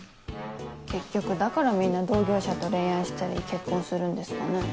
結局だからみんな同業者と恋愛したり結婚するんですかね。